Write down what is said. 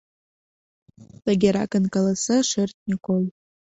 Тыгеракын каласа шӧртньӧ кол: